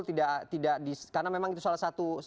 tidak tidak di karena memang itu salah satu hal